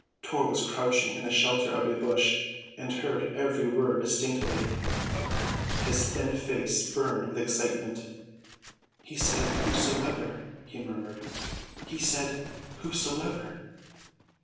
Tor was crouching in the shelter of a bush and heard every word distinctly. His thin face burned with excitement. "He said 'whosoever,'" he murmured. "He said 'whosoever.